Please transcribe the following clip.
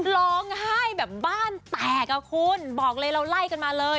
ร้องไห้แบบบ้านแตกอ่ะคุณบอกเลยเราไล่กันมาเลย